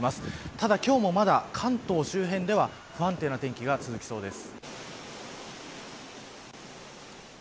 ただ今日もまだ関東周辺では不安定な天気が続きそうです。